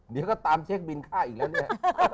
เดี๋ยวก็ตามเช็คบินค่าอีกแล้วเนี่ย